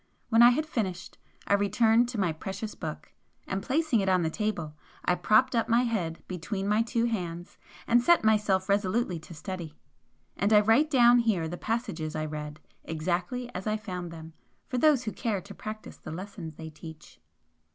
When I had finished, I returned to my precious book, and placing it on the table, I propped up my head between my two hands and set myself resolutely to study. And I write down here the passages I read, exactly as I found them, for those who care to practise the lessons they teach.